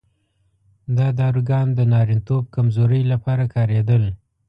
دا داروګان د نارینتوب کمزورۍ لپاره کارېدل.